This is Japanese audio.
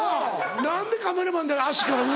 何でカメラマンだけ足から上。